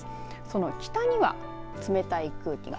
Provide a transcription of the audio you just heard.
その北には冷たい空気が。